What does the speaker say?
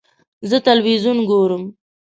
زه تلویزیون ګورم.